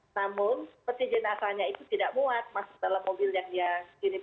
namun peti jenazahnya itu tidak muat masuk ke dalam mobil yang dia kirim